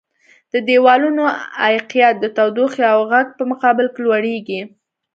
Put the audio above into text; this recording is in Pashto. د دیوالونو عایقیت د تودوخې او غږ په مقابل کې لوړیږي.